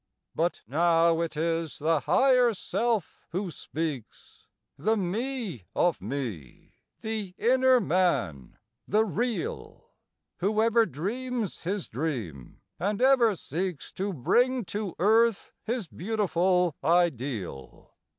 But now it is the Higher Self who speaks— The Me of me—the inner Man—the real— Whoever dreams his dream and ever seeks To bring to earth his beautiful ideal.